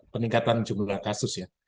peningkatan jumlah kasus ya